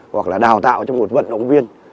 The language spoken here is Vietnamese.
hoặc là đào tạo cho một vận động viên